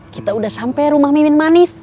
kita udah sampai rumah mimin manis